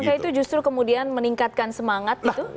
bukankah itu justru kemudian meningkatkan semangat